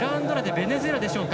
ベネズエラでしょうか。